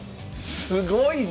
すごいな！